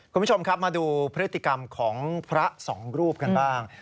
คุณผู้ชมครับมาดูพฤติกรรมของพระสองรูปกันบ้าง